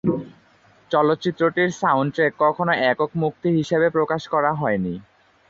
চলচ্চিত্রটির সাউন্ডট্র্যাক কখনো একক মুক্তি হিসেবে প্রকাশ করা হয়নি।